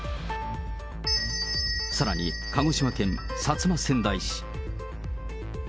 さらに、鹿児島県薩摩川内市。